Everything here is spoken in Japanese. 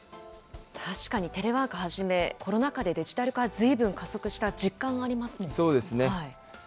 確かにテレワークをはじめ、コロナ禍でデジタル化、ずいぶんそうですね。